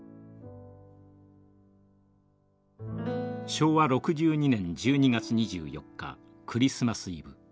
昭和６２年１２月２４日クリスマスイブ。